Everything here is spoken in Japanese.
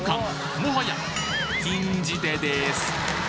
もはや禁じ手です